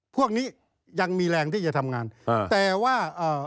พวกนี้ยังมีแรงที่จะทำงานแต่ว่า